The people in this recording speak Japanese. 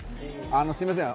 すみません。